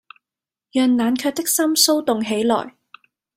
讓冷卻的心騷動起來